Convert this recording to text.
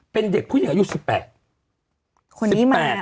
เป็นเด็กผู้ยายุทธิ์สิบแปดสิบแปดคนนี้มาน่ะ